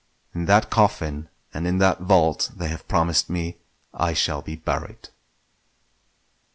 In that coffin and in that vault they have promised me I shall be buried.